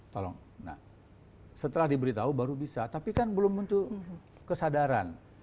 tolong nah setelah diberitahu baru bisa tapi kan belum tentu kesadaran